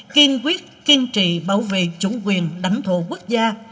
kiên quyết kiên trì bảo vệ chủ quyền đảnh thổ quốc gia